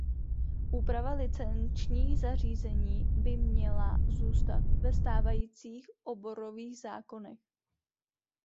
Úprava licenčních řízení by měla zůstat ve stávajících oborových zákonech.